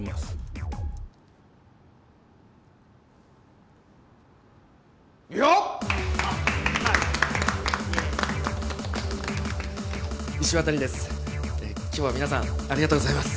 今日は皆さんありがとうございます。